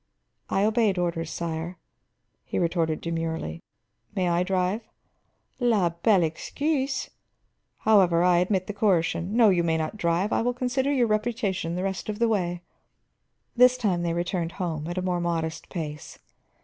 "I obeyed orders, sire," he retorted demurely. "May I drive?" "La belle excuse! However, I admit the coercion. No, you may not drive; I will consider your reputation the rest of the way." This time they turned home, at a more modest pace.